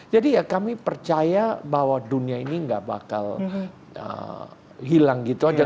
jadi ya kami percaya bahwa dunia ini gak bakal hilang gitu aja